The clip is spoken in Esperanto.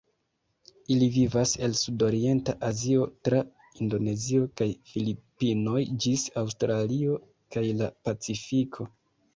Ili vivas el Sudorienta Azio tra Indonezio kaj Filipinoj ĝis Aŭstralio kaj la Pacifiko.